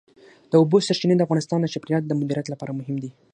د اوبو سرچینې د افغانستان د چاپیریال د مدیریت لپاره مهم دي.